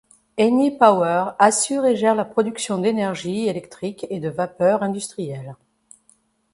Enipower assure et gère la production d'énergie électrique et de vapeur industrielle.